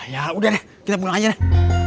yaudah deh kita pulang aja deh